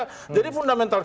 china itu berkembang dulu